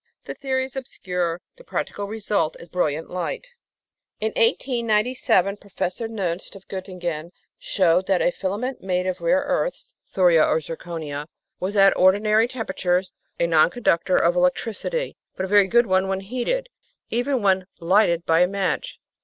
The theory is obscure ; the practical result is brilliant light. In 1897 Professor Nernst of Gottingen showed that a fila ment made of rare earths (thoria or zirconia) was at ordinary temperatures a non conductor of electricity, but a very good one when heated even when "lighted by a match."